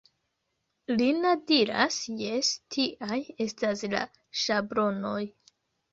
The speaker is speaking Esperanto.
Lina diras, Jes, tiaj estas la ŝablonoj.